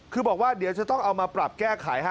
คือบอกว่าเดี๋ยวจะต้องเอามาปรับแก้ไขฮะ